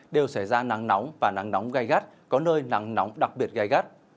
đều xảy ra nắng nóng và nắng nóng gai gắt có nơi nắng nóng đặc biệt gai gắt